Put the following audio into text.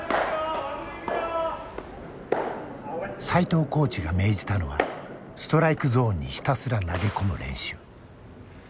齋藤コーチが命じたのはストライクゾーンにひたすら投げ込む練習。